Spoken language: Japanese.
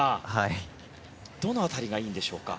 どの辺りがいいんでしょうか？